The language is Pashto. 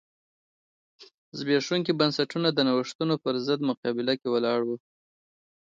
زبېښونکي بنسټونه د نوښتونو پرضد مقابله کې ولاړ و.